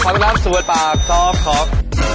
ขอรับสวนปากซ้อมของ